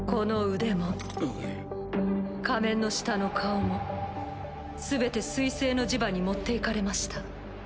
仮面の下の顔も全て水星の磁場に持っていかれました。